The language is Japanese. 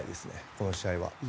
この試合は。